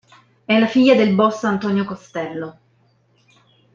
È la figlia del boss Antonio Costello.